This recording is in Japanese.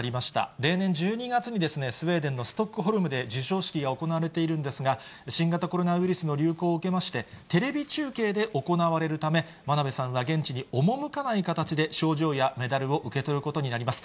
例年、１２月にスウェーデンのストックホルムで授賞式が行われているんですが、新型コロナウイルスの流行を受けまして、テレビ中継で行われるため、真鍋さんは現地に赴かない形で、賞状やメダルを受け取ることになります。